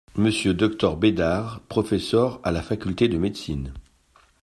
Monsieur le Dr Bédart, professeur à la Faculté de médecine.